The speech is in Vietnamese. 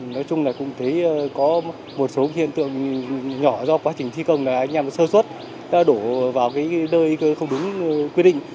nói chung là cũng thấy có một số hiện tượng nhỏ do quá trình thi công là anh em sơ xuất đã đổ vào cái nơi không đúng quy định